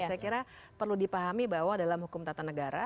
saya kira perlu dipahami bahwa dalam hukum tata negara